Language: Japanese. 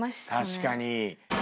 確かに。